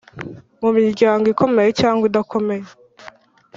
ku miryango ikomeye cyangwa idakomeye